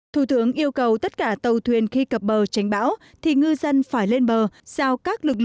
thủ tướng yêu cầu tất cả tàu thuyền khi cập bờ tránh bão thì ngư dân phải lên bờ giao các lực lượng